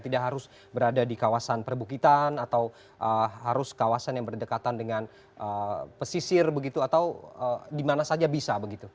tidak harus berada di kawasan perbukitan atau harus kawasan yang berdekatan dengan pesisir begitu atau di mana saja bisa begitu